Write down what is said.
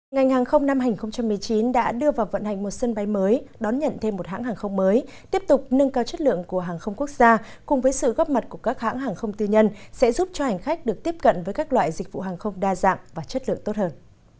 ngành hàng không năm hai nghìn một mươi chín đã đưa vào vận hành một sân bay mới đón nhận thêm một hãng hàng không mới tiếp tục nâng cao chất lượng của hàng không quốc gia cùng với sự góp mặt của các hãng hàng không tư nhân sẽ giúp cho hành khách được tiếp cận với các loại dịch vụ hàng không đa dạng và chất lượng tốt hơn